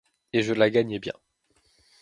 Et je la gagnais bien.